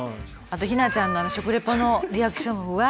あとひなちゃんの食レポのリアクション。